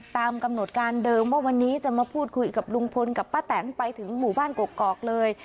ตามกำหนดการเดิมว่าวันนี้จะมาพูดคุยกับลุงพลกับป้าแตนไปถึงหมู่บ้านกกอกเลย